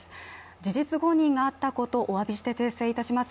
事実誤認があったことをおわびして訂正します。